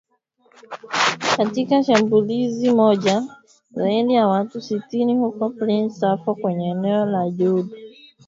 Katika shambulizi moja, zaidi ya watu sitini huko Plaine Savo kwenye eneo la Djubu waliuawa hapo